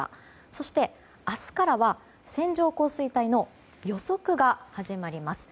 そして、明日からは線状降水帯の予測が始まります。